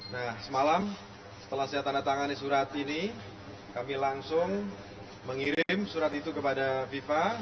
nah semalam setelah saya tanda tangani surat ini kami langsung mengirim surat itu kepada fifa